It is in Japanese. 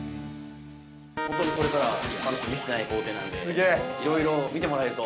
◆本当にこれからは一般の人は見せてない工程なので、いろいろ見てもらえると。